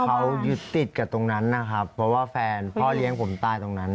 เขายึดติดกับตรงนั้นนะครับเพราะว่าแฟนพ่อเลี้ยงผมตายตรงนั้น